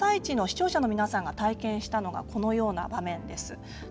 「あさイチ」の視聴者の皆さんが体験したのはこのような場面です。